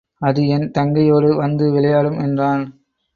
அது என் தங்கையோடு வந்து விளையாடும் என்றான்.